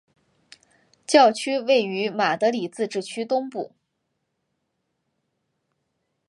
教区位于马德里自治区东部。